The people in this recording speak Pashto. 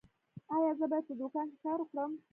ایا زه باید په دوکان کې کار وکړم؟